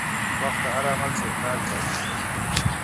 وخت د هر عمل چوکاټ ټاکي.